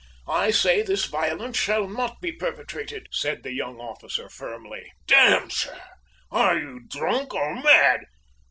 I say this violence shall not be perpetrated!" said the young officer, firmly. "D n, sir! Are you drunk, or mad?